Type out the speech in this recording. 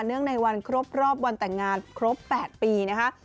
ในวันครบรอบวันแต่งงานครบ๘ปีนะคะ